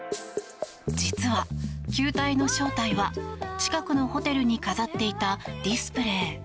実は、球体の正体は近くのホテルに飾っていたディスプレー。